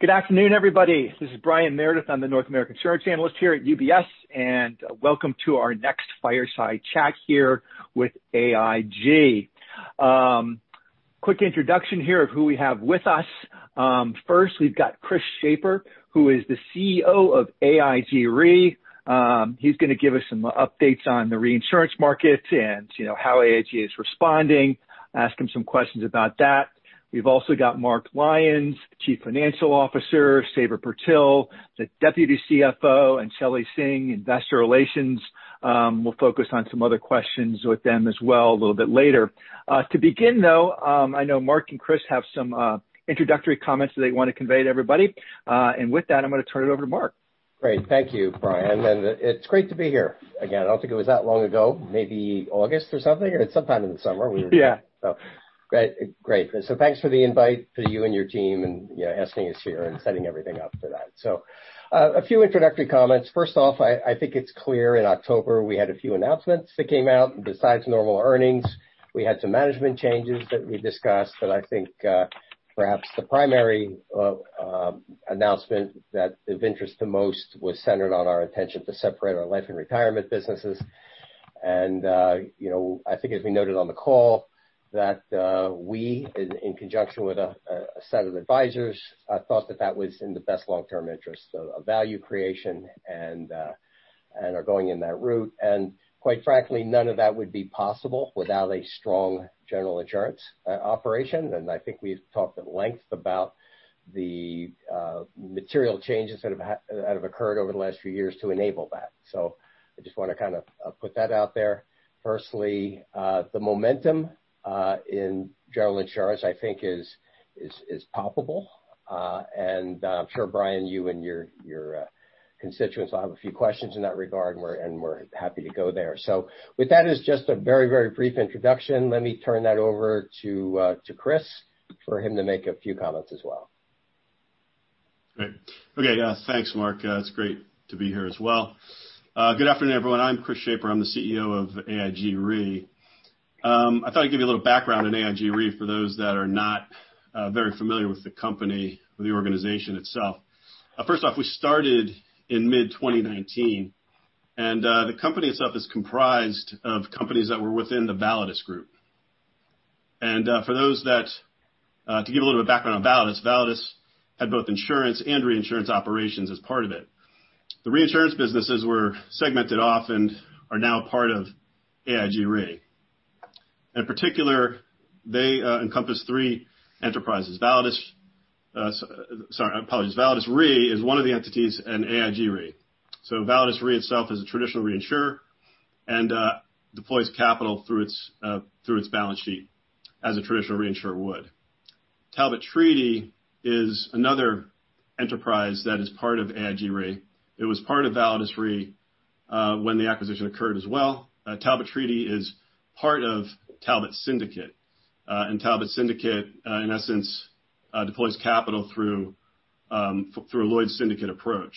Good afternoon, everybody. This is Brian Meredith. I'm the North American insurance analyst here at UBS, welcome to our next Fireside Chat here with AIG. Quick introduction here of who we have with us. First, we've got Christopher Schaper, who is the CEO of AIG Re. He's going to give us some updates on the reinsurance market and how AIG is responding. Ask him some questions about that. We've also got Mark Lyons, Chief Financial Officer, Sabra Purtill, the Deputy CFO, and Shelley Singh, Investor Relations. We'll focus on some other questions with them as well a little bit later. To begin, though, I know Mark and Chris have some introductory comments that they want to convey to everybody. With that, I'm going to turn it over to Mark. Great. Thank you, Brian, it's great to be here again. I don't think it was that long ago, maybe August or something. Yeah So great. Thanks for the invite to you and your team, asking us here and setting everything up for that. A few introductory comments. First off, I think it's clear in October we had a few announcements that came out besides normal earnings. We had some management changes that we discussed, but I think perhaps the primary announcement of interest to most was centered on our intention to separate our Life & Retirement businesses. I think as we noted on the call, that we, in conjunction with a set of advisors, thought that that was in the best long-term interest of value creation and are going in that route. Quite frankly, none of that would be possible without a strong general insurance operation. I think we've talked at length about the material changes that have occurred over the last few years to enable that. I just want to kind of put that out there. Firstly, the momentum in general insurance, I think is palpable. I'm sure, Brian, you and your constituents will have a few questions in that regard, we're happy to go there. With that as just a very brief introduction, let me turn that over to Chris for him to make a few comments as well. Great. Okay, yeah. Thanks, Mark. It is great to be here as well. Good afternoon, everyone. I am Chris Schaper, I am the CEO of AIG Re. I thought I would give you a little background on AIG Re for those that are not very familiar with the company or the organization itself. First off, we started in mid 2019, the company itself is comprised of companies that were within the Validus Group. To give a little bit of background on Validus had both insurance and reinsurance operations as part of it. The reinsurance businesses were segmented off and are now part of AIG Re. In particular, they encompass three enterprises. Validus Re is one of the entities in AIG Re. Validus Re itself is a traditional reinsurer and deploys capital through its balance sheet, as a traditional reinsurer would. Talbot Treaty is another enterprise that is part of AIG Re. It was part of Validus Re when the acquisition occurred as well. Talbot Treaty is part of Talbot Syndicate. Talbot Syndicate, in essence, deploys capital through a Lloyd's syndicate approach.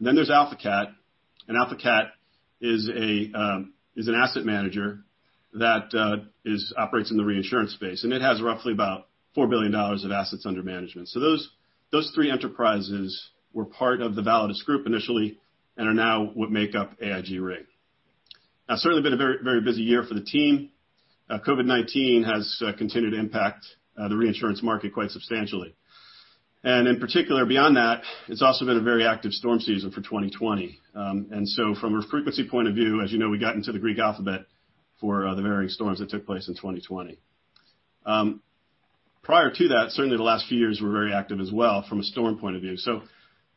There is Alpha Cat, and Alpha Cat is an asset manager that operates in the reinsurance space, and it has roughly about $4 billion of assets under management. Those three enterprises were part of the Validus Group initially and are now what make up AIG Re. Certainly been a very busy year for the team. COVID-19 has continued to impact the reinsurance market quite substantially. In particular, beyond that, it has also been a very active storm season for 2020. From a frequency point of view, as you know, we got into the Greek alphabet for the varying storms that took place in 2020. Prior to that, certainly the last few years were very active as well from a storm point of view.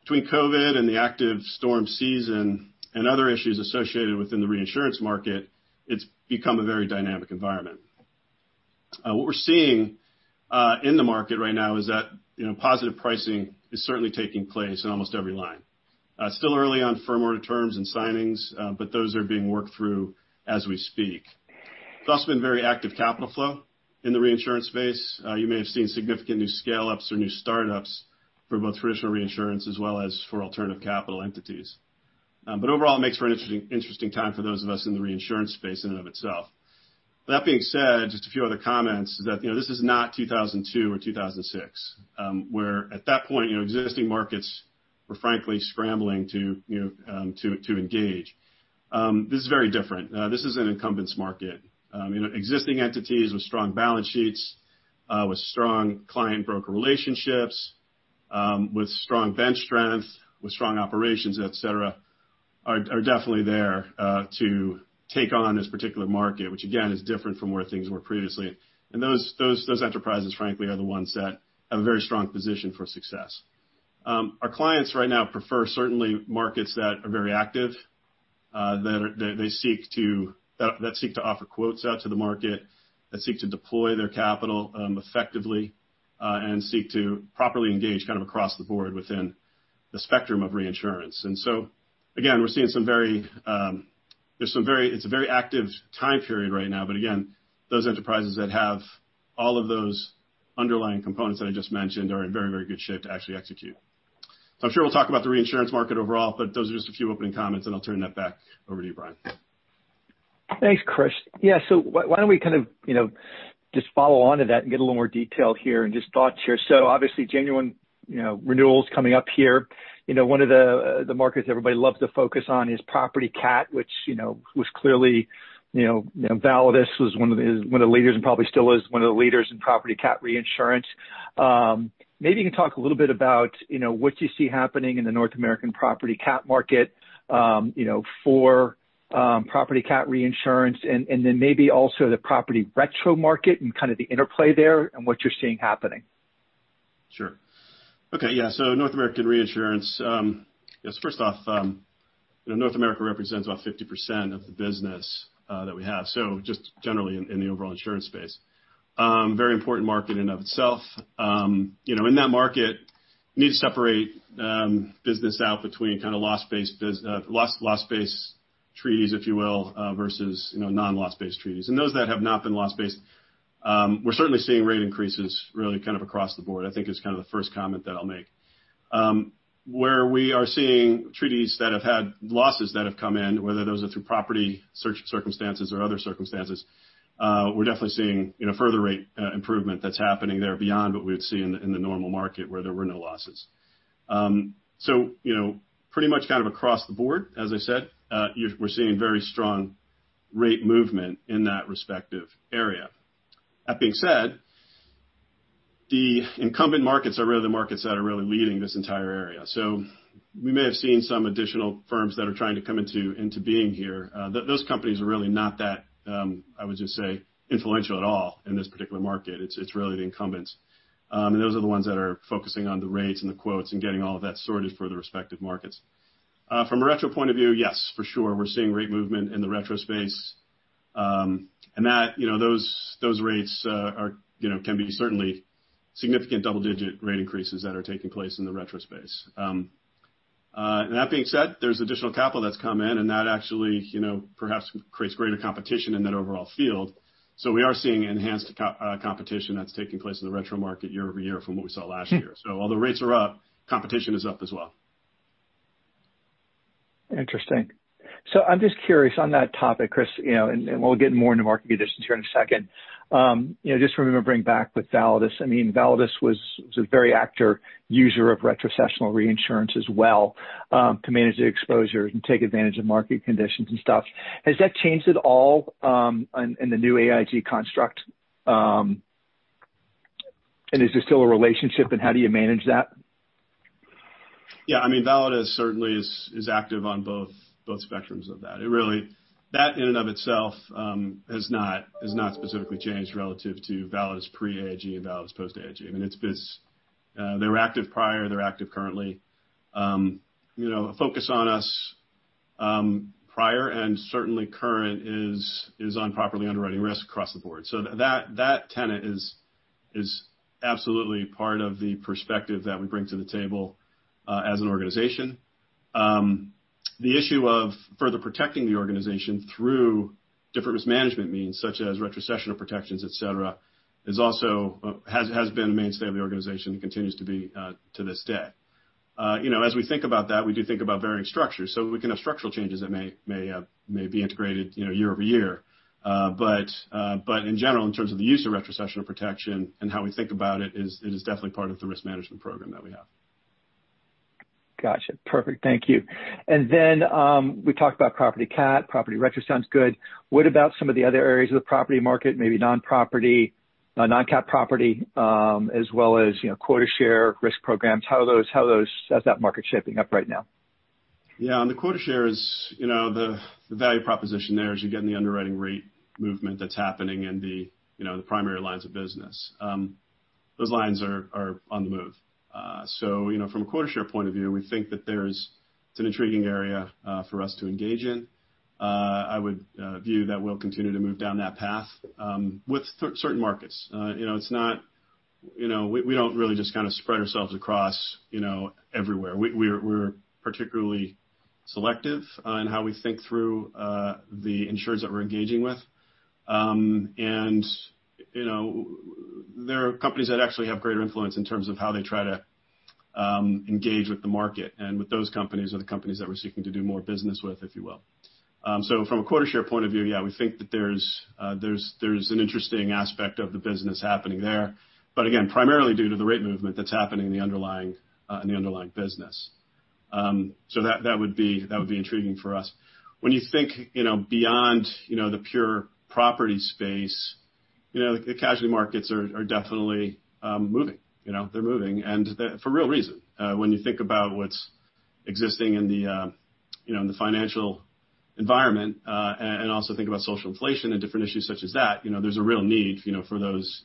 Between COVID and the active storm season and other issues associated within the reinsurance market, it has become a very dynamic environment. What we are seeing in the market right now is that positive pricing is certainly taking place in almost every line. Still early on firm order terms and signings, but those are being worked through as we speak. There has also been very active capital flow in the reinsurance space. You may have seen significant new scale-ups or new startups for both traditional reinsurance as well as for alternative capital entities. Overall, it makes for an interesting time for those of us in the reinsurance space in and of itself. That being said, just a few other comments, that this is not 2002 or 2006, where at that point, existing markets were frankly scrambling to engage. This is very different. This is an incumbents market. Existing entities with strong balance sheets, with strong client broker relationships, with strong bench strength, with strong operations, et cetera, are definitely there to take on this particular market, which again, is different from where things were previously. Those enterprises, frankly, are the ones that have a very strong position for success. Our clients right now prefer certainly markets that are very active, that seek to offer quotes out to the market, that seek to deploy their capital effectively, and seek to properly engage kind of across the board within the spectrum of reinsurance. It's a very active time period right now, again, those enterprises that have all of those underlying components that I just mentioned are in very good shape to actually execute. I'm sure we'll talk about the reinsurance market overall, but those are just a few opening comments, and I'll turn that back over to you, Brian. Thanks, Chris. Yeah. Why don't we just follow onto that and get a little more detail here and just thoughts here. Obviously, January 1st renewals coming up here. One of the markets everybody loves to focus on is property CAT, which was clearly, Validus was one of the leaders, and probably still is one of the leaders in property CAT reinsurance. Maybe you can talk a little bit about what you see happening in the North American property CAT market for property CAT reinsurance and then maybe also the property retro market and kind of the interplay there and what you're seeing happening. Sure. Okay, yeah. North American reinsurance. First off, North America represents about 50% of the business that we have, just generally in the overall insurance space. Very important market in and of itself. In that market, need to separate business out between loss-based treaties, if you will, versus non-loss-based treaties. Those that have not been loss based, we're certainly seeing rate increases really kind of across the board, I think is the first comment that I'll make. Where we are seeing treaties that have had losses that have come in, whether those are through property circumstances or other circumstances, we're definitely seeing further rate improvement that's happening there beyond what we would see in the normal market where there were no losses. Pretty much kind of across the board, as I said, we're seeing very strong rate movement in that respective area. That being said, the incumbent markets are really the markets that are really leading this entire area. We may have seen some additional firms that are trying to come into being here. Those companies are really not that, I would just say, influential at all in this particular market. It's really the incumbents. Those are the ones that are focusing on the rates and the quotes and getting all of that sorted for the respective markets. From a retro point of view, yes, for sure. We're seeing rate movement in the retro space. Those rates can be certainly significant double-digit rate increases that are taking place in the retro space. That being said, there's additional capital that's come in, that actually perhaps creates greater competition in that overall field. We are seeing enhanced competition that's taking place in the retro market year-over-year from what we saw last year. While the rates are up, competition is up as well. Interesting. I'm just curious on that topic, Chris, and we'll get more into market conditions here in a second. Just remembering back with Validus was a very active user of retrocessional reinsurance as well to manage the exposure and take advantage of market conditions and stuff. Has that changed at all in the new AIG construct? Is there still a relationship, and how do you manage that? Yeah. Validus certainly is active on both spectrums of that. That in and of itself has not specifically changed relative to Validus pre-AIG and Validus post-AIG. They were active prior, they're active currently. A focus on us prior and certainly current is on properly underwriting risk across the board. That tenet is absolutely part of the perspective that we bring to the table as an organization. The issue of further protecting the organization through different risk management means such as retrocessional protections, et cetera, has been a mainstay of the organization and continues to be to this day. As we think about that, we do think about varying structures. We can have structural changes that may be integrated year-over-year. In general, in terms of the use of retrocessional protection and how we think about it is definitely part of the risk management program that we have. Got you. Perfect. Thank you. We talked about property CAT, property retro sounds good. What about some of the other areas of the property market, maybe non-CAT property, as well as quota share risk programs? How's that market shaping up right now? Yeah. On the quota shares, the value proposition there is you're getting the underwriting rate movement that's happening in the primary lines of business. Those lines are on the move. From a quota share point of view, we think that it's an intriguing area for us to engage in. I would view that we'll continue to move down that path with certain markets. We don't really just spread ourselves across everywhere. We're particularly selective on how we think through the insurers that we're engaging with. There are companies that actually have greater influence in terms of how they try to engage with the market, and with those companies are the companies that we're seeking to do more business with, if you will. From a quota share point of view, yeah, we think that there's an interesting aspect of the business happening there. Again, primarily due to the rate movement that's happening in the underlying business. That would be intriguing for us. When you think beyond the pure property space, the casualty markets are definitely moving. They're moving, and for real reason. When you think about what's existing in the financial environment, and also think about social inflation and different issues such as that, there's a real need for those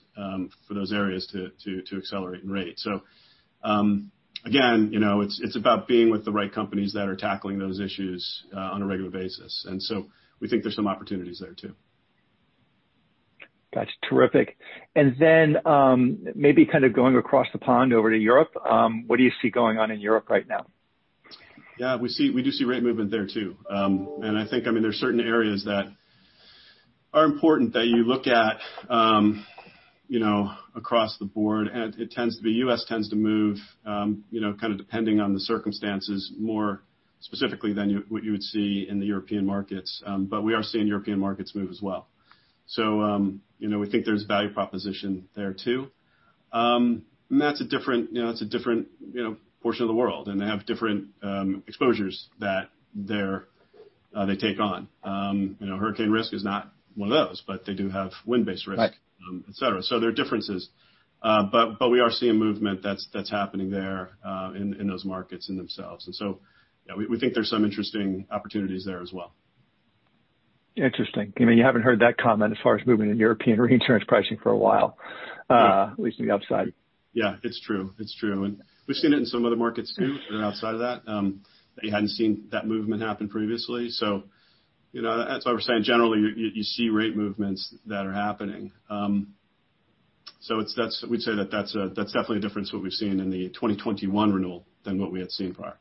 areas to accelerate in rate. Again, it's about being with the right companies that are tackling those issues on a regular basis. We think there's some opportunities there, too. That's terrific. Maybe going across the pond over to Europe. What do you see going on in Europe right now? Yeah. We do see rate movement there, too. I think there's certain areas that are important that you look at across the board. The U.S. tends to move depending on the circumstances, more specifically than what you would see in the European markets, but we are seeing European markets move as well. We think there's value proposition there, too. That's a different portion of the world, and they have different exposures that they take on. Hurricane risk is not one of those, but they do have wind-based risk. Right et cetera. There are differences. We are seeing movement that's happening there in those markets in themselves. Yeah, we think there's some interesting opportunities there as well. Interesting. You haven't heard that comment as far as movement in European reinsurance pricing for a while, at least in the upside. Yeah, it's true. We've seen it in some other markets, too, outside of that you hadn't seen that movement happen previously. That's why we're saying, generally, you see rate movements that are happening. We'd say that that's definitely a difference what we've seen in the 2021 renewal than what we had seen prior.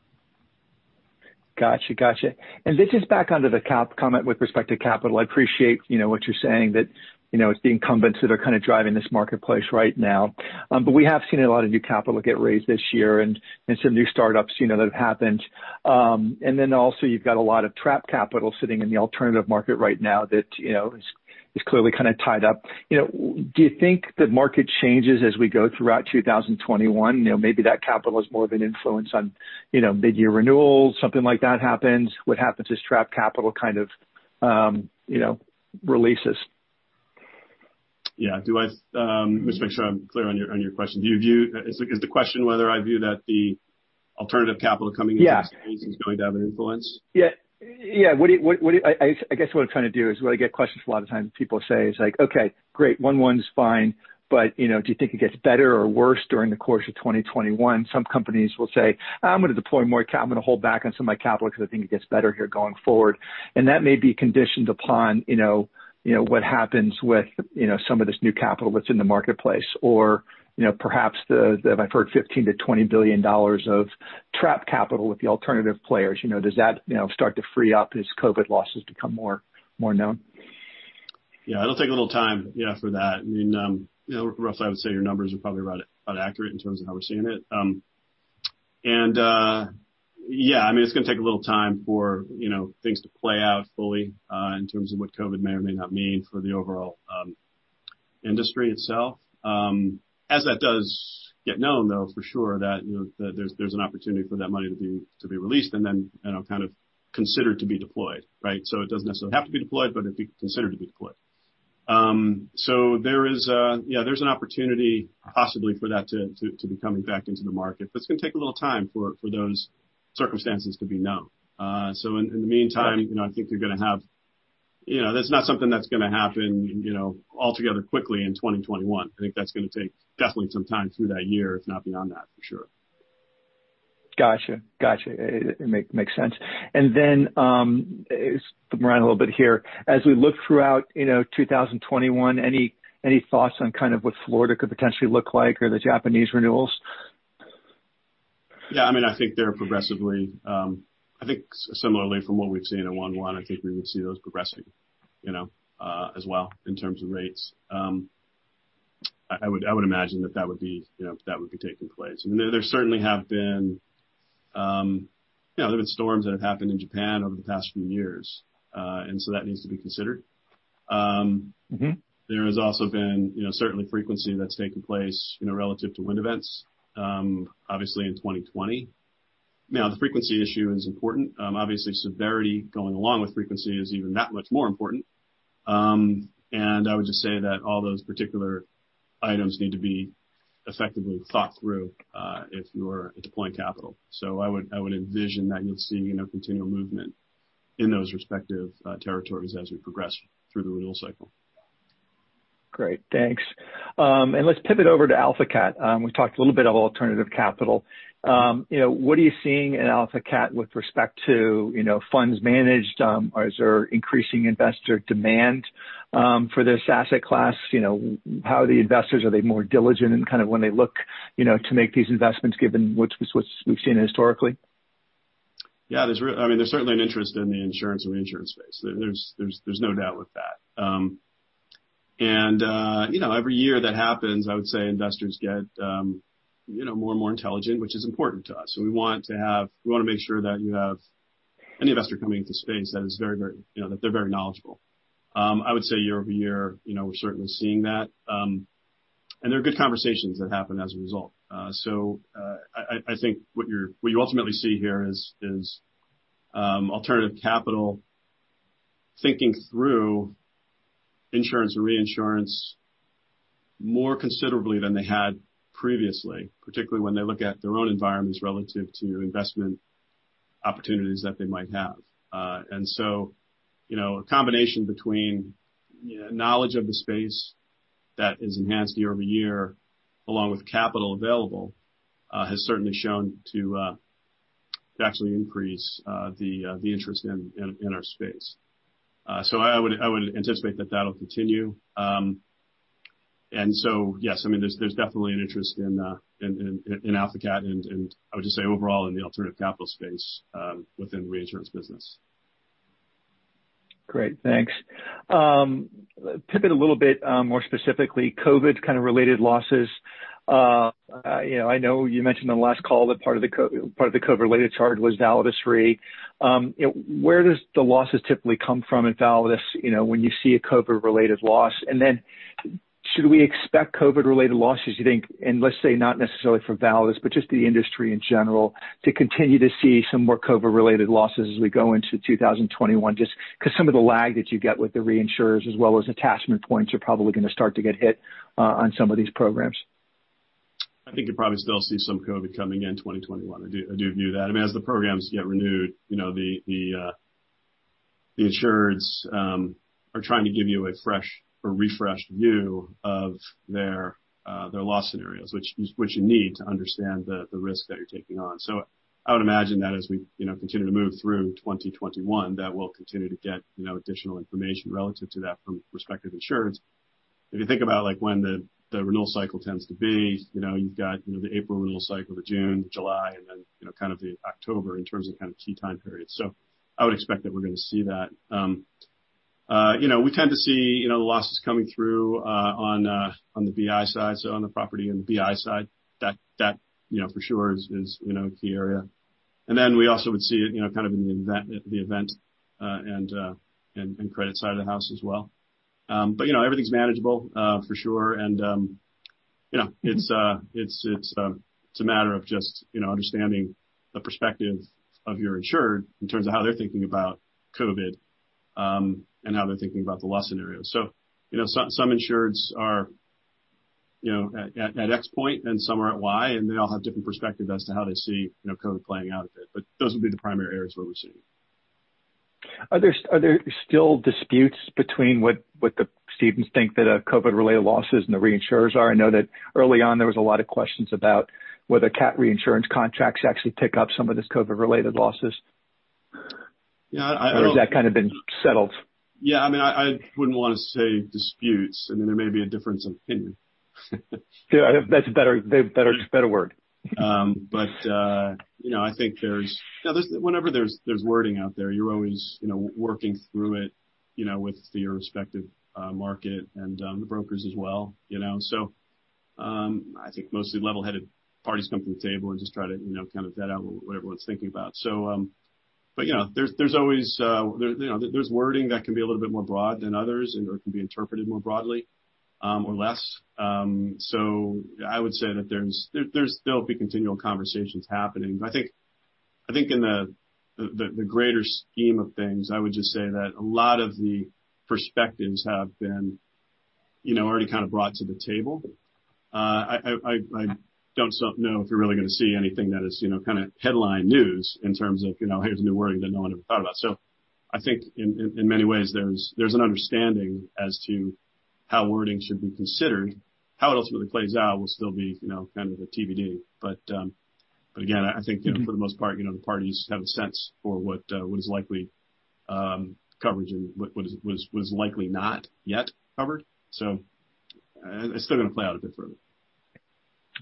Got you. This is back onto the comment with respect to capital. I appreciate what you're saying, that it's the incumbents that are kind of driving this marketplace right now. We have seen a lot of new capital get raised this year and some new startups that have happened. You've got a lot of trapped capital sitting in the alternative market right now that is clearly kind of tied up. Do you think the market changes as we go throughout 2021? Maybe that capital is more of an influence on mid-year renewals, something like that happens. What happens is trapped capital kind of releases. Yeah. Let me just make sure I'm clear on your question. Is the question whether I view that the alternative capital coming into the space- Yeah is going to have an influence? Yeah. I guess what I'm trying to do is, what I get questions a lot of times, people say is, like, "Okay, great. 1/1s fine, do you think it gets better or worse during the course of 2021?" Some companies will say, "I'm going to hold back on some of my capital because I think it gets better here going forward." That may be conditioned upon what happens with some of this new capital that's in the marketplace, or perhaps the, I've heard $15 billion-$20 billion of trapped capital with the alternative players. Does that start to free up as COVID losses become more known? Yeah, it'll take a little time for that. I mean, Brian, I would say your numbers are probably about accurate in terms of how we're seeing it. Yeah, I mean, it's going to take a little time for things to play out fully in terms of what COVID may or may not mean for the overall industry itself. As that does get known, though, for sure, there's an opportunity for that money to be released and then kind of considered to be deployed, right? It doesn't necessarily have to be deployed, but it'd be considered to be deployed. There's an opportunity, possibly, for that to be coming back into the market, but it's going to take a little time for those circumstances to be known. In the meantime, that's not something that's going to happen altogether quickly in 2021. I think that's going to take definitely some time through that year, if not beyond that, for sure. Got you. It makes sense. Then, let's put them around a little bit here. As we look throughout 2021, any thoughts on kind of what Florida could potentially look like or the Japanese renewals? Yeah. I think similarly from what we've seen in 1/1, I think we would see those progressing as well in terms of rates. I would imagine that that would be taking place. There certainly have been storms that have happened in Japan over the past few years, that needs to be considered. There has also been certainly frequency that's taken place relative to wind events, obviously in 2020. The frequency issue is important. Obviously, severity going along with frequency is even that much more important. I would just say that all those particular items need to be effectively thought through if you are deploying capital. I would envision that you'll see continual movement in those respective territories as we progress through the renewal cycle. Great. Thanks. Let's pivot over to AlphaCat. We've talked a little bit about alternative capital. What are you seeing in AlphaCat with respect to funds managed? Is there increasing investor demand for this asset class? How are the investors, are they more diligent in kind of when they look to make these investments given what we've seen historically? Yeah. There's certainly an interest in the insurance or reinsurance space. There's no doubt with that. Every year that happens, I would say investors get more and more intelligent, which is important to us. We want to make sure that you have any investor coming into the space, that they're very knowledgeable. I would say year-over-year, we're certainly seeing that. There are good conversations that happen as a result. I think what you ultimately see here is alternative capital thinking through insurance or reinsurance more considerably than they had previously, particularly when they look at their own environments relative to investment opportunities that they might have. A combination between knowledge of the space that is enhanced year-over-year, along with capital available, has certainly shown to actually increase the interest in our space. I would anticipate that that'll continue. Yes, there's definitely an interest in AlphaCat, and I would just say overall in the alternative capital space within reinsurance business. Great, thanks. Pivot a little bit more specifically, COVID kind of related losses. I know you mentioned on the last call that part of the COVID-related charge was Validus Re. Where does the losses typically come from in Validus when you see a COVID-related loss? Should we expect COVID-related losses, you think, in, let's say, not necessarily for Validus, but just the industry in general to continue to see some more COVID-related losses as we go into 2021, just because some of the lag that you get with the reinsurers as well as attachment points are probably going to start to get hit on some of these programs. I think you'll probably still see some COVID coming in 2021. I do view that. As the programs get renewed, the insureds are trying to give you a fresh or refreshed view of their loss scenarios, which you need to understand the risk that you're taking on. I would imagine that as we continue to move through 2021, that we'll continue to get additional information relative to that from respective insureds. If you think about when the renewal cycle tends to be, you've got the April renewal cycle, the June, the July, and then kind of the October in terms of kind of key time periods. I would expect that we're going to see that. We tend to see the losses coming through on the BI side, so on the property and the BI side. That for sure is a key area. We also would see it in the event and credit side of the house as well. Everything's manageable for sure. It's a matter of just understanding the perspective of your insured in terms of how they're thinking about COVID and how they're thinking about the loss scenario. Some insureds are at X point and some are at Y, and they all have different perspectives as to how they see COVID playing out a bit, but those would be the primary areas where we see it. Are there still disputes between what the cedents think that are COVID-related losses and the reinsurers are? I know that early on, there was a lot of questions about whether CAT reinsurance contracts actually pick up some of this COVID-related losses. Yeah. Has that kind of been settled? Yeah. I wouldn't want to say disputes. There may be a difference of opinion. That's a better word. I think whenever there's wording out there, you're always working through it with your respective market and the brokers as well. I think mostly level-headed parties come to the table and just try to kind of vet out what everyone's thinking about. There's wording that can be a little bit more broad than others or can be interpreted more broadly or less. I would say that there'll be continual conversations happening. I think in the greater scheme of things, I would just say that a lot of the perspectives have been already kind of brought to the table. I don't know if you're really going to see anything that is headline news in terms of here's a new wording that no one ever thought about. I think in many ways, there's an understanding as to how wording should be considered. How it ultimately plays out will still be kind of a TBD. Again, I think for the most part, the parties have a sense for what is likely coverage and what was likely not yet covered. It's still going to play out a bit further.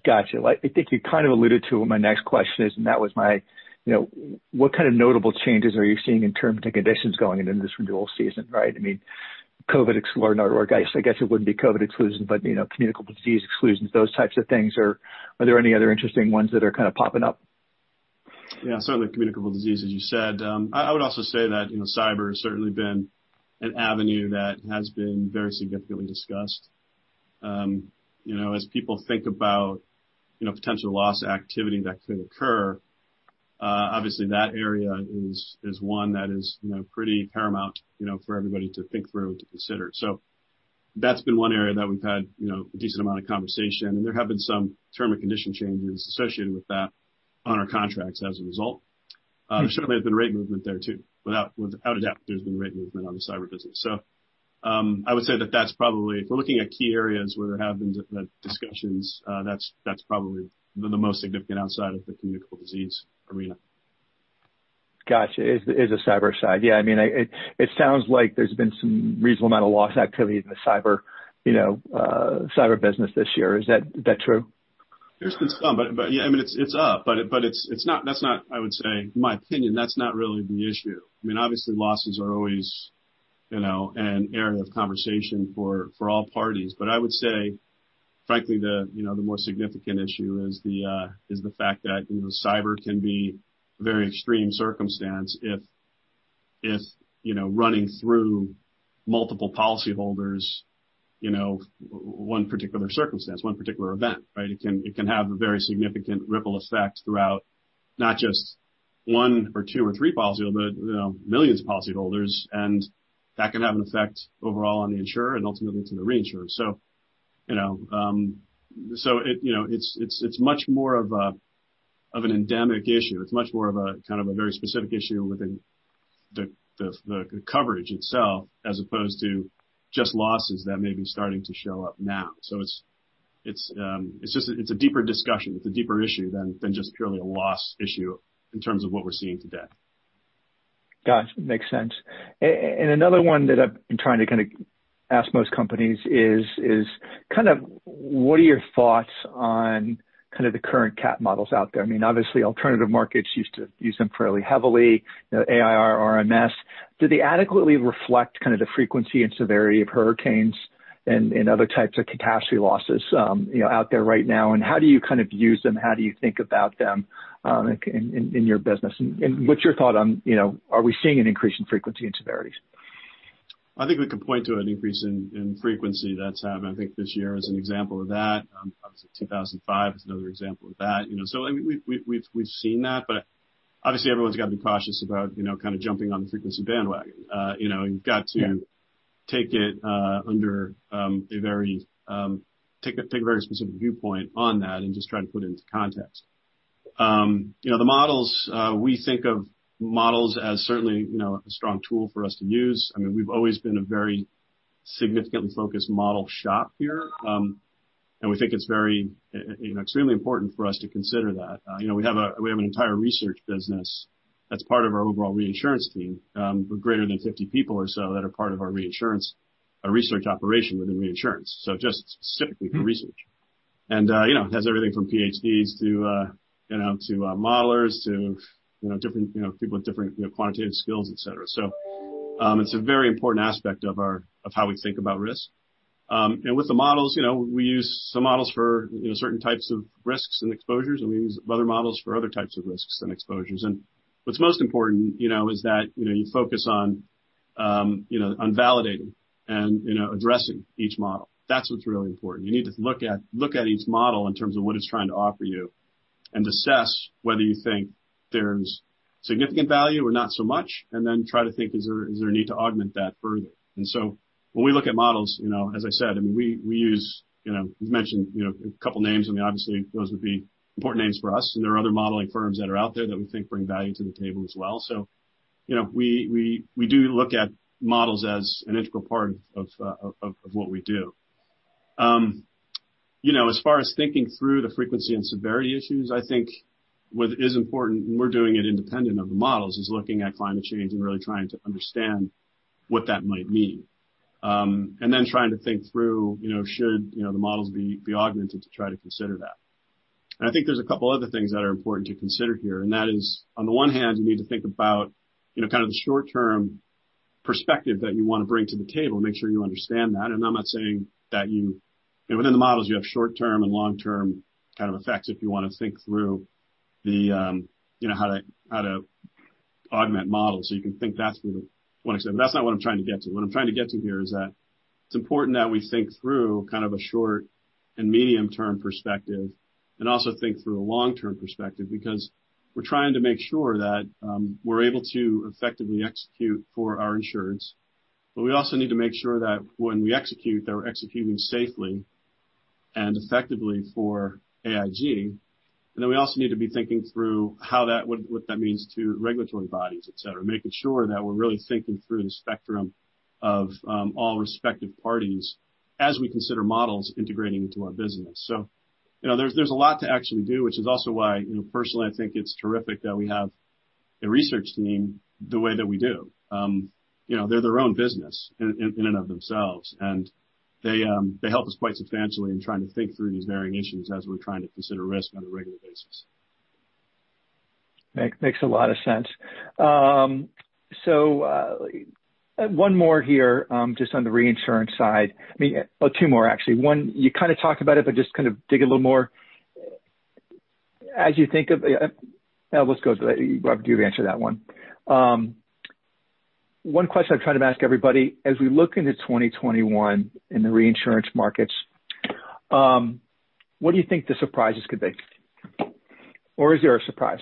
Got you. I think you kind of alluded to what my next question is, that was what kind of notable changes are you seeing in terms and conditions going into this renewal season, right? COVID exclusion or I guess it wouldn't be COVID exclusion, but communicable disease exclusions, those types of things. Are there any other interesting ones that are kind of popping up? Yeah. Certainly communicable disease, as you said. I would also say that cyber has certainly been an avenue that has been very significantly discussed. As people think about potential loss activity that could occur, obviously that area is one that is pretty paramount for everybody to think through, to consider. That's been one area that we've had a decent amount of conversation, there have been some term and condition changes associated with that on our contracts as a result. There certainly has been rate movement there too. Without a doubt, there's been rate movement on the cyber business. I would say that that's probably, if we're looking at key areas where there have been discussions, that's probably the most significant outside of the communicable disease arena. Got you. Is the cyber side. Yeah. It sounds like there's been some reasonable amount of loss activity in the cyber business this year. Is that true? There's been some. Yeah. It's up, but that's not, I would say, in my opinion, that's not really the issue. Obviously, losses are always an area of conversation for all parties. I would say, frankly, the more significant issue is the fact that cyber can be a very extreme circumstance if running through multiple policyholders, one particular circumstance, one particular event, right? It can have a very significant ripple effect throughout not just one or two or three policyholders, but millions of policyholders, and that can have an effect overall on the insurer and ultimately to the reinsurer. It's much more of an endemic issue. It's much more of a kind of a very specific issue within the coverage itself as opposed to just losses that may be starting to show up now. It's a deeper discussion. It's a deeper issue than just purely a loss issue in terms of what we're seeing today. Gotcha. Makes sense. Another one that I've been trying to ask most companies is what are your thoughts on the current CAT models out there? Obviously, alternative markets used to use them fairly heavily, AIR, RMS. Do they adequately reflect the frequency and severity of hurricanes and other types of catastrophe losses out there right now? How do you use them? How do you think about them in your business? What's your thought on, are we seeing an increase in frequency and severity? I think we can point to an increase in frequency that's happened. I think this year is an example of that. Obviously, 2005 is another example of that. We've seen that, but obviously, everyone's got to be cautious about jumping on the frequency bandwagon. You've got to take a very specific viewpoint on that and just try to put it into context. The models, we think of models as certainly a strong tool for us to use. We've always been a very significantly focused model shop here, and we think it's extremely important for us to consider that. We have an entire research business that's part of our overall reinsurance team, with greater than 50 people or so that are part of our research operation within reinsurance. Just specifically for research. It has everything from PhDs to modelers to people with different quantitative skills, et cetera. It's a very important aspect of how we think about risk. With the models, we use some models for certain types of risks and exposures, and we use other models for other types of risks and exposures. What's most important is that you focus on validating and addressing each model. That's what's really important. You need to look at each model in terms of what it's trying to offer you and assess whether you think there's significant value or not so much, and then try to think, is there a need to augment that further? When we look at models, as I said, you've mentioned a couple names. Obviously, those would be important names for us. There are other modeling firms that are out there that we think bring value to the table as well. We do look at models as an integral part of what we do. As far as thinking through the frequency and severity issues, I think what is important, and we're doing it independent of the models, is looking at climate change and really trying to understand what that might mean. Then trying to think through should the models be augmented to try to consider that. I think there's a couple other things that are important to consider here, and that is, on the one hand, you need to think about the short-term perspective that you want to bring to the table, make sure you understand that. I'm not saying that within the models, you have short-term and long-term effects if you want to think through how to augment models. You can think that's what I said, but that's not what I'm trying to get to. What I'm trying to get to here is that it's important that we think through a short- and medium-term perspective and also think through a long-term perspective because we're trying to make sure that we're able to effectively execute for our insurance. We also need to make sure that when we execute, that we're executing safely and effectively for AIG. Then we also need to be thinking through what that means to regulatory bodies, et cetera, making sure that we're really thinking through the spectrum of all respective parties as we consider models integrating into our business. There's a lot to actually do, which is also why personally, I think it's terrific that we have the research team the way that we do. They're their own business in and of themselves. They help us quite substantially in trying to think through these varying issues as we're trying to consider risk on a regular basis. Makes a lot of sense. One more here just on the reinsurance side. Two more actually. One, you kind of talked about it, but just kind of dig a little more. I'll let you answer that one. One question I try to ask everybody, as we look into 2021 in the reinsurance markets, what do you think the surprises could be? Is there a surprise?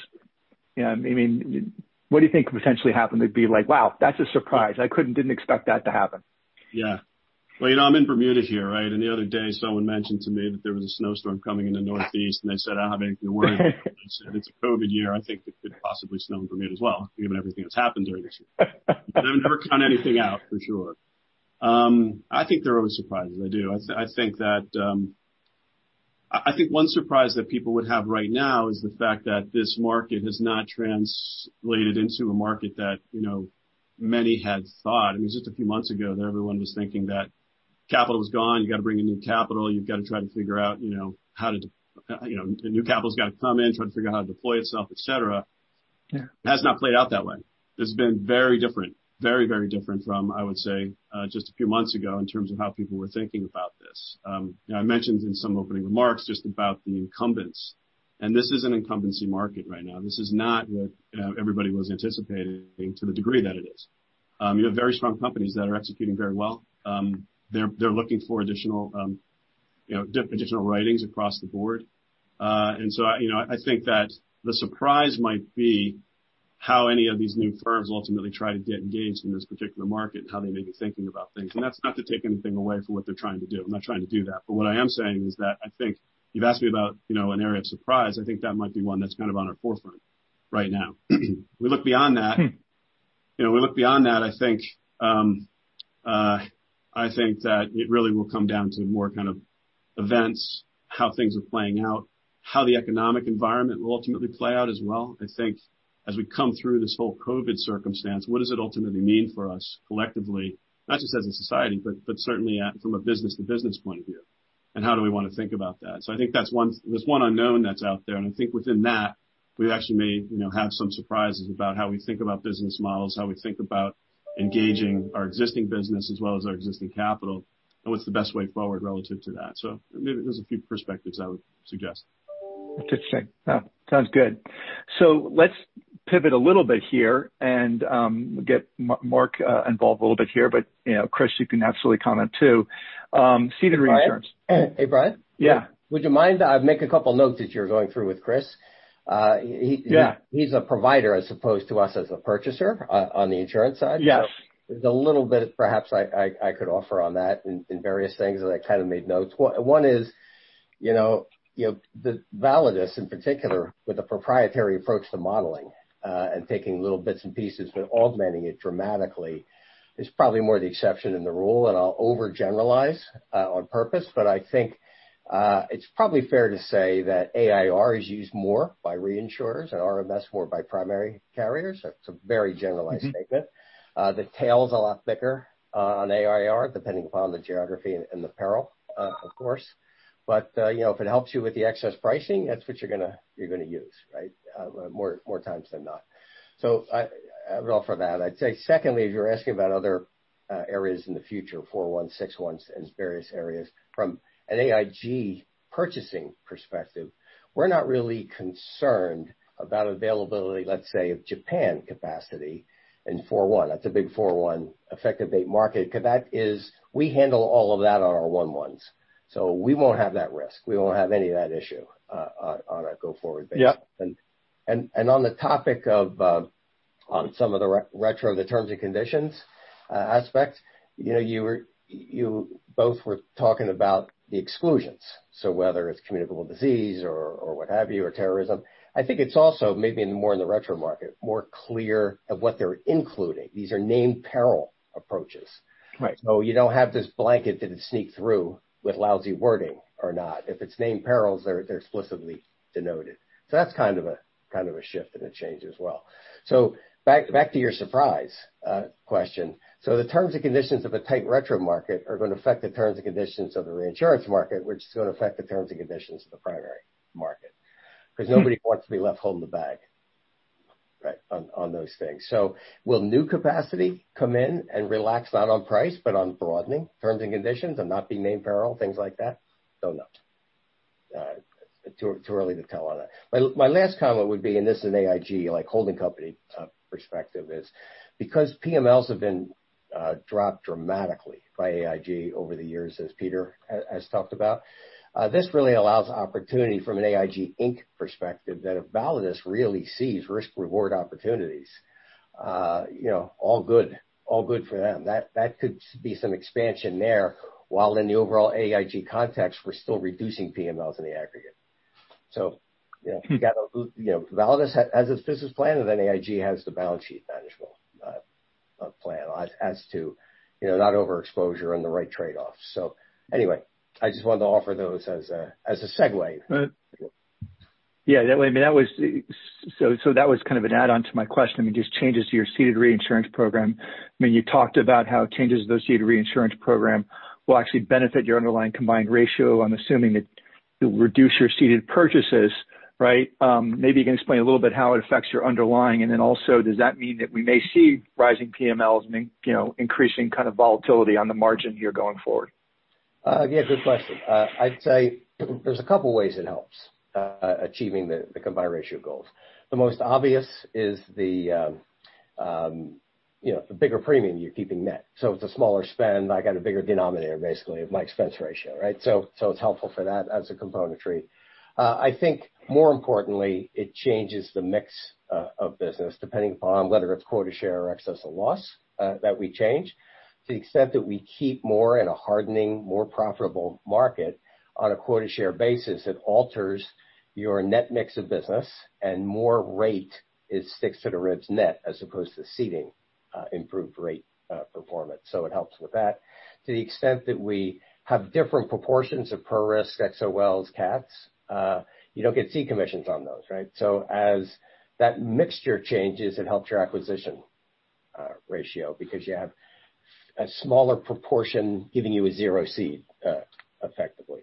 What do you think could potentially happen that'd be like, wow, that's a surprise. I didn't expect that to happen. I'm in Bermuda here, right? The other day, someone mentioned to me that there was a snowstorm coming in the Northeast, and they said, I don't have anything to worry about. I said, it's a COVID year. I think it could possibly snow in Bermuda as well, given everything that's happened during this year. I've never counted anything out for sure. I think there are always surprises. I do. I think one surprise that people would have right now is the fact that this market has not translated into a market that many had thought. Just a few months ago, everyone was thinking that capital is gone. You've got to bring in new capital. The new capital's got to come in, try to figure out how to deploy itself, et cetera. Yeah. It has not played out that way. It's been very different. Very, very different from, I would say, just a few months ago in terms of how people were thinking about this. I mentioned in some opening remarks just about the incumbents, and this is an incumbency market right now. This is not what everybody was anticipating to the degree that it is. You have very strong companies that are executing very well. They're looking for additional writings across the board. I think that the surprise might be how any of these new firms ultimately try to get engaged in this particular market and how they may be thinking about things. That's not to take anything away from what they're trying to do. I'm not trying to do that. What I am saying is that I think you've asked me about an area of surprise. I think that might be one that's kind of on our forefront right now. We look beyond that, I think that it really will come down to more kind of events, how things are playing out, how the economic environment will ultimately play out as well. I think as we come through this whole COVID circumstance, what does it ultimately mean for us collectively, not just as a society, but certainly from a business-to-business point of view, and how do we want to think about that? I think there's one unknown that's out there, and I think within that, we actually may have some surprises about how we think about business models, how we think about engaging our existing business as well as our existing capital, and what's the best way forward relative to that. There's a few perspectives I would suggest. Interesting. Sounds good. Let's pivot a little bit here and get Mark involved a little bit here. Chris, you can absolutely comment, too. Ceded reinsurance. Hey, Brian? Yeah. Would you mind, make a couple notes that you're going through with Chris. Yeah. He's a provider as opposed to us as a purchaser on the insurance side. Yes. There's a little bit perhaps I could offer on that in various things as I kind of made notes. One is, Validus in particular with a proprietary approach to modeling, and taking little bits and pieces but augmenting it dramatically, is probably more the exception than the rule. I'll overgeneralize on purpose, but I think it's probably fair to say that AIR is used more by reinsurers and RMS more by primary carriers. That's a very generalized statement. The tail is a lot thicker on AIR, depending upon the geography and the peril, of course. But if it helps you with the excess pricing, that's what you're going to use, right? More times than not. I would offer that. I'd say secondly, if you were asking about other areas in the future, 4/1, 6/1s and various areas from an AIG purchasing perspective, we're not really concerned about availability, let's say, of Japan capacity in 4/1. That's a big 4/1 effective date market, because we handle all of that on our 1/1s. We won't have that risk. We won't have any of that issue on a go-forward basis. Yep. On the topic of some of the retro, the terms and conditions aspect, you both were talking about the exclusions. Whether it's communicable disease or what have you, or terrorism, I think it's also maybe more in the retro market, more clear of what they're including. These are named peril approaches. Right. You don't have this blanket that it sneaked through with lousy wording or not. If it's named perils, they're explicitly denoted. That's kind of a shift and a change as well. Back to your surprise question. The terms and conditions of a tight retro market are going to affect the terms and conditions of the reinsurance market, which is going to affect the terms and conditions of the primary market, because nobody wants to be left holding the bag on those things. Will new capacity come in and relax, not on price, but on broadening terms and conditions and not being named peril, things like that? Don't know. Too early to tell on that. My last comment would be, This is an AIG holding company perspective. PMLs have been dropped dramatically by AIG over the years, as Peter has talked about, this really allows opportunity from an AIG Inc. perspective that if Validus really sees risk reward opportunities, all good for them. That could be some expansion there. While in the overall AIG context, we're still reducing PMLs in the aggregate. Validus has a business plan, AIG has the balance sheet management plan as to not overexposure and the right trade-offs. Anyway, I just wanted to offer those as a segue. Yeah. That was kind of an add-on to my question. I mean, just changes to your ceded reinsurance program. You talked about how changes to those ceded reinsurance program will actually benefit your underlying combined ratio. I'm assuming that you'll reduce your ceded purchases, right? Maybe you can explain a little bit how it affects your underlying. Does that mean that we may see rising PMLs and increasing kind of volatility on the margin here going forward? Yeah, good question. I'd say there's a couple ways it helps achieving the combined ratio goals. The most obvious is the bigger premium you're keeping net. It's a smaller spend. I got a bigger denominator, basically, of my expense ratio, right? It's helpful for that as a componentry. I think more importantly, it changes the mix of business, depending upon whether it's quota share or excess of loss that we change. To the extent that we keep more in a hardening, more profitable market on a quota share basis, it alters your net mix of business and more rate is sticks to the ribs net as opposed to ceding improved rate performance. It helps with that. To the extent that we have different proportions of per risk XOLs CATs, you don't get ceding commissions on those, right? As that mixture changes, it helps your acquisition ratio because you have a smaller proportion giving you a zero C, effectively.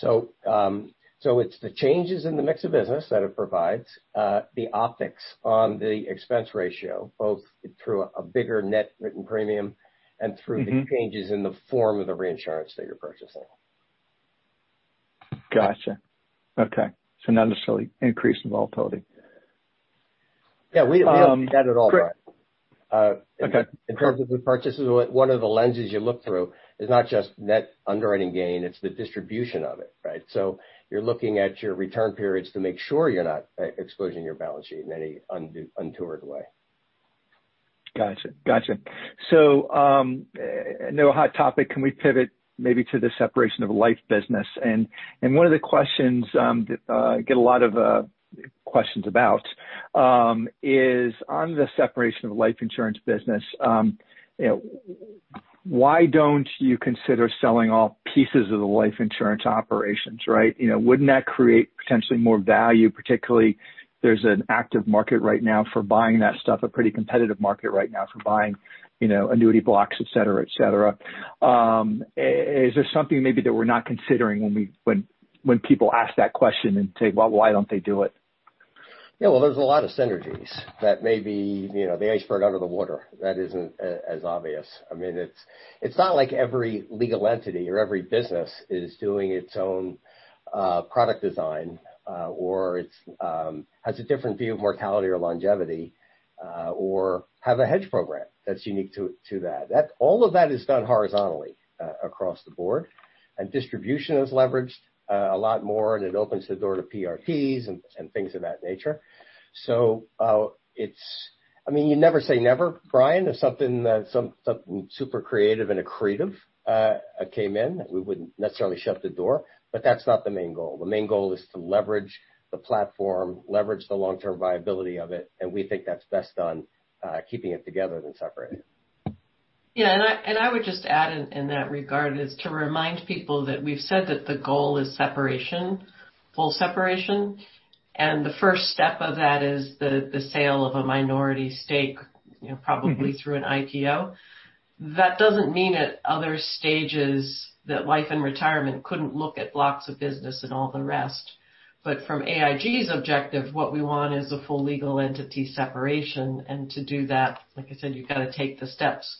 It's the changes in the mix of business that it provides, the optics on the expense ratio, both through a bigger net written premium and through the changes in the form of the reinsurance that you're purchasing. Got you. Okay. Not necessarily increased volatility. Yeah. We haven't seen that at all, Brian. Okay. In terms of the purchases, one of the lenses you look through is not just net underwriting gain, it's the distribution of it, right? You're looking at your return periods to make sure you're not exposing your balance sheet in any untoward way. Got you. I know a hot topic. Can we pivot maybe to the separation of life business? One of the questions that I get questions about is on the separation of life insurance business. Why don't you consider selling all pieces of the life insurance operations, right? Wouldn't that create potentially more value, particularly there's an active market right now for buying that stuff, a pretty competitive market right now for buying annuity blocks, et cetera. Is there something maybe that we're not considering when people ask that question and say, "Well, why don't they do it? Well, there's a lot of synergies that may be the iceberg under the water that isn't as obvious. It's not like every legal entity or every business is doing its own product design, or it has a different view of mortality or longevity, or have a hedge program that's unique to that. All of that is done horizontally across the board, and distribution is leveraged a lot more, and it opens the door to PRPs and things of that nature. You never say never, Brian. If something super creative and accretive came in, we wouldn't necessarily shut the door, but that's not the main goal. The main goal is to leverage the platform, leverage the long-term viability of it, and we think that's best done keeping it together than separated. I would just add in that regard is to remind people that we've said that the goal is separation, full separation, and the first step of that is the sale of a minority stake probably through an IPO. That doesn't mean at other stages that Life and Retirement couldn't look at blocks of business and all the rest. From AIG's objective, what we want is a full legal entity separation. To do that, like I said, you've got to take the steps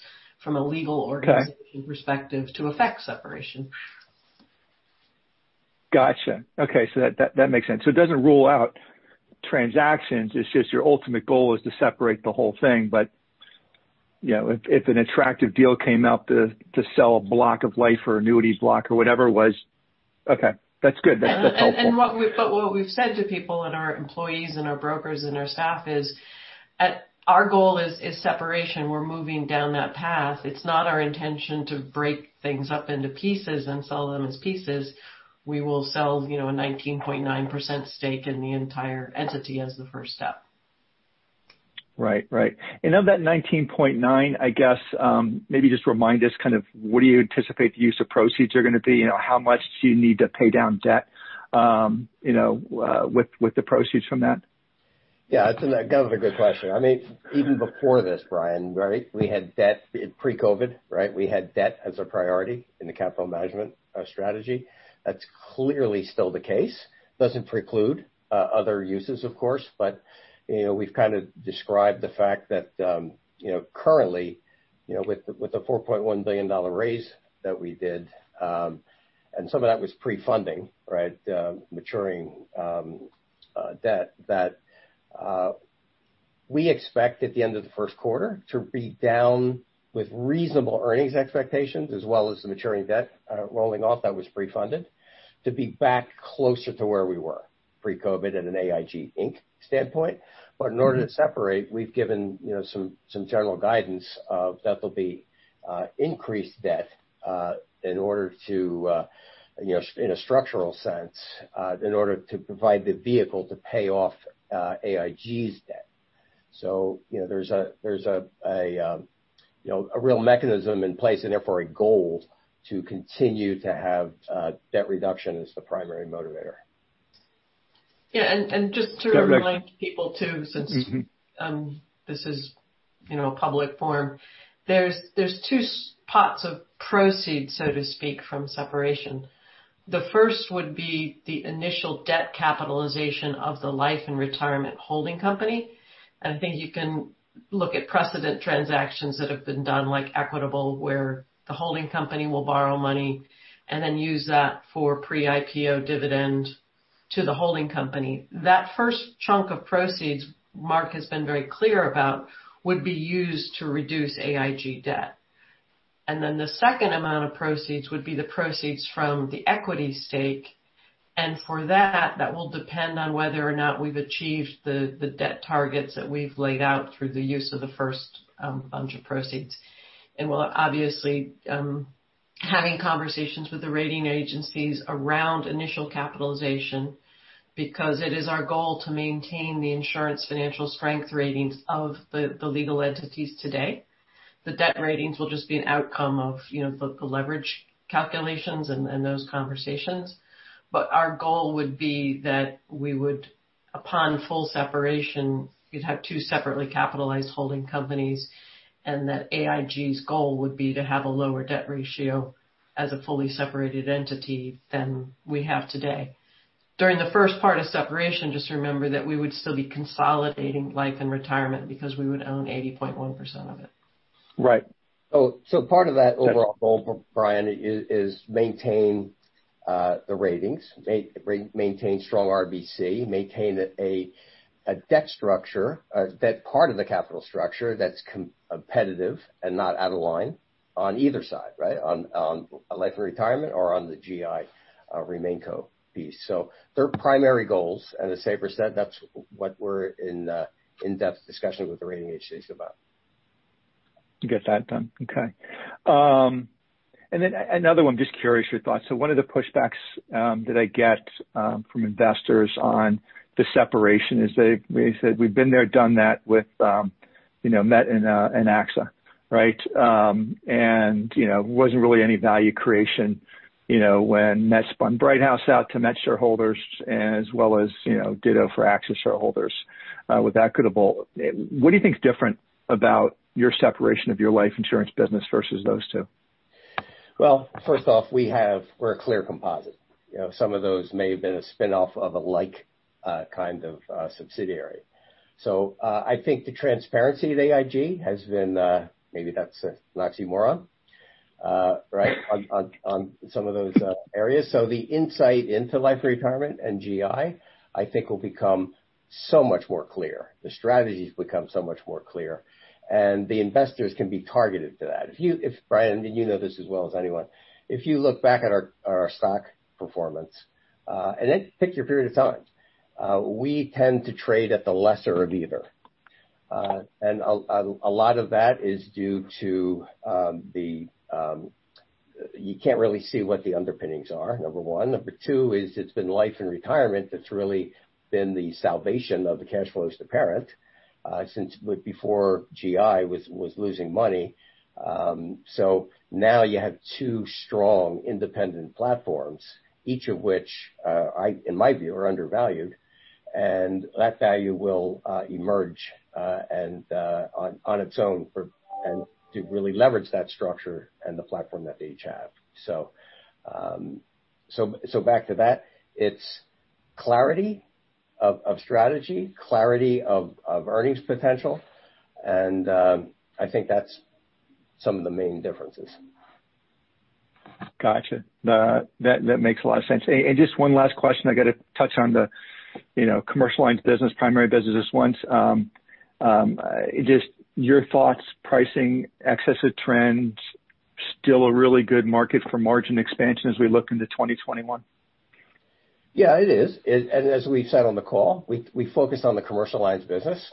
from a legal organization perspective to effect separation. Got you. Okay. That makes sense. It doesn't rule out transactions. It's just your ultimate goal is to separate the whole thing. If an attractive deal came up to sell a block of life or annuity block or whatever it was, okay. That's good. That's helpful. What we've said to people and our employees and our brokers and our staff is our goal is separation. We're moving down that path. It's not our intention to break things up into pieces and sell them as pieces. We will sell a 19.9% stake in the entire entity as the first step. Right. Of that $19.9, I guess, maybe just remind us, what do you anticipate the use of proceeds are going to be? How much do you need to pay down debt with the proceeds from that? Yeah. That's a good question. Even before this, Brian, we had debt pre-COVID-19. We had debt as a priority in the capital management strategy. That's clearly still the case. Doesn't preclude other uses, of course, but we've described the fact that currently, with the $4.1 billion raise that we did, some of that was pre-funding maturing debt that we expect at the end of the first quarter to be down with reasonable earnings expectations, as well as the maturing debt rolling off that was pre-funded to be back closer to where we were pre-COVID-19 at an AIG Inc. standpoint. In order to separate, we've given some general guidance that there'll be increased debt in a structural sense, in order to provide the vehicle to pay off AIG's debt. There's a real mechanism in place and therefore a goal to continue to have debt reduction as the primary motivator. Yeah. Just to remind people too, since this is a public forum. There's two pots of proceeds, so to speak, from separation. The first would be the initial debt capitalization of the Life and Retirement holding company. I think you can look at precedent transactions that have been done, like Equitable, where the holding company will borrow money and then use that for pre-IPO dividend to the holding company. That first chunk of proceeds, Mark has been very clear about, would be used to reduce AIG debt. Then the second amount of proceeds would be the proceeds from the equity stake. For that will depend on whether or not we've achieved the debt targets that we've laid out through the use of the first bunch of proceeds. We're obviously having conversations with the rating agencies around initial capitalization because it is our goal to maintain the insurance financial strength ratings of the legal entities today. The debt ratings will just be an outcome of the leverage calculations and those conversations. Our goal would be that we would, upon full separation, you'd have two separately capitalized holding companies, and that AIG's goal would be to have a lower debt ratio as a fully separated entity than we have today. During the first part of separation, just remember that we would still be consolidating Life & Retirement because we would own 80.1% of it. Right. Part of that overall goal, Brian, is maintain the ratings, maintain strong RBC, maintain a debt structure, a debt part of the capital structure that's competitive and not out of line on either side, on Life & Retirement or on the GI remain co piece. They're primary goals. As Sabra said, that's what we're in in-depth discussions with the rating agencies about. Get that done. Okay. Then another one, just curious your thoughts. One of the pushbacks that I get from investors on the separation is they said, "We've been there, done that with MetLife and AXA," right? Wasn't really any value creation when MetLife spun Brighthouse Financial out to MetLife shareholders as well as ditto for AXA shareholders with Equitable. What do you think is different about your separation of your life insurance business versus those two? First off, we're a clear composite. Some of those may have been a spin-off of a like kind of subsidiary. I think the transparency at AIG has been, maybe that's an oxymoron, right, on some of those areas. The insight into Life & Retirement and GI, I think will become so much more clear. The strategies become so much more clear, and the investors can be targeted to that. Brian, you know this as well as anyone. If you look back at our stock performance, then pick your period of time, we tend to trade at the lesser of either. A lot of that is due to you can't really see what the underpinnings are, number one. Number two is it's been Life & Retirement that's really been the salvation of the cash flows to parent since before GI was losing money. Now you have two strong independent platforms, each of which, in my view, are undervalued. That value will emerge on its own and to really leverage that structure and the platform that they each have. Back to that, it's clarity of strategy, clarity of earnings potential, and I think that's some of the main differences. Got you. That makes a lot of sense. Just one last question, I got to touch on the commercial lines business, primary business once. Just your thoughts, pricing, excessive trends, still a really good market for margin expansion as we look into 2021? Yeah, it is. As we said on the call, we focused on the commercial lines business,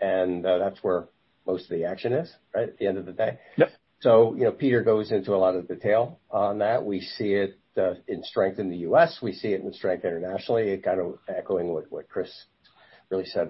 and that's where most of the action is, right, at the end of the day. Yep. Peter goes into a lot of detail on that. We see it in strength in the U.S. We see it with strength internationally. Kind of echoing what Chris really said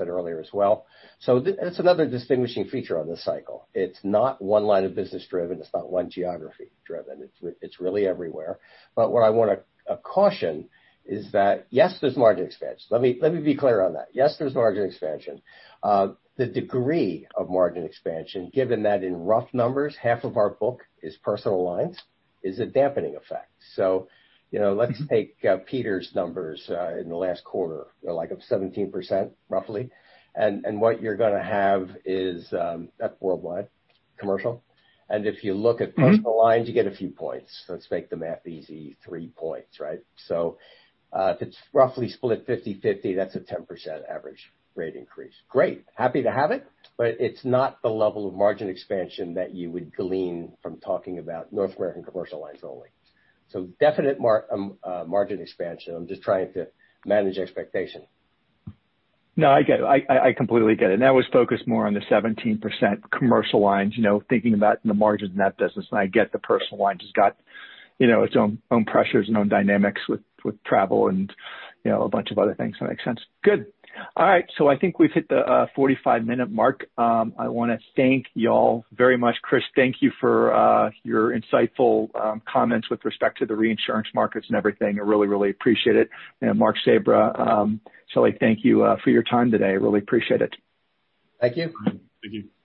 earlier as well. It's another distinguishing feature on this cycle. It's not one line of business driven. It's not one geography driven. It's really everywhere. Where I want to caution is that, yes, there's margin expansion. Let me be clear on that. Yes, there's margin expansion. The degree of margin expansion, given that in rough numbers, half of our book is personal lines, is a dampening effect. Let's take Peter's numbers in the last quarter, like of 17%, roughly. What you're going to have is that's worldwide commercial. If you look at personal lines, you get a few points. Let's make the math easy, three points, right? If it's roughly split 50/50, that's a 10% average rate increase. Great. Happy to have it, but it's not the level of margin expansion that you would glean from talking about North American commercial lines only. Definite margin expansion. I'm just trying to manage expectation. No, I get it. I completely get it. That was focused more on the 17% commercial lines, thinking about the margins in that business. I get the personal lines has got its own pressures and own dynamics with travel and a bunch of other things. That makes sense. Good. All right, I think we've hit the 45-minute mark. I want to thank you all very much. Chris, thank you for your insightful comments with respect to the reinsurance markets and everything. I really, really appreciate it. Mark Sabra, Shelley, thank you for your time today. Really appreciate it. Thank you. Thank you.